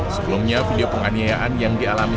sebelumnya video penganiayaan yang dialami